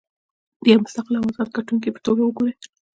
د یوه مستقل او ازاد کتونکي په توګه وګورئ.